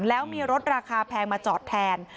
แล้วมีรถราคาแพงมาจอดแทน